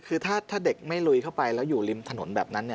คือถ้าเด็กไม่ลุยเข้าไปแล้วอยู่ริมถนนแบบนั้น